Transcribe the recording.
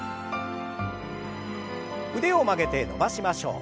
腕を曲げて伸ばしましょう。